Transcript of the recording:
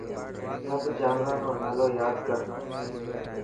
سڀ جانوران رو نالو ياد ڪر.